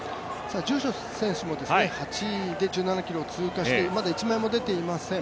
住所選手も８位で１７ｋｍ通過してまだ１枚も出ていません。